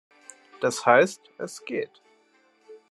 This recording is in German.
Das heißt, es geht.